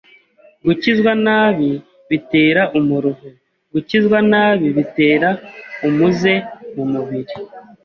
gukizwa nabi bitera umuruho, gukizwa nabi bitera umuze mu mubiri,